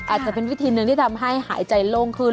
อาจจะเป็นวิธีหนึ่งที่ทำให้หายใจโล่งขึ้น